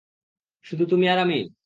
শুধু তুমি আর আমি?